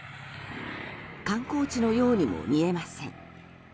観光地のようにも見えません。